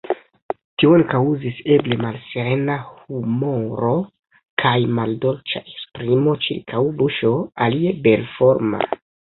Tion kaŭzis, eble, malserena humoro kaj maldolĉa esprimo ĉirkaŭ buŝo, alie belforma.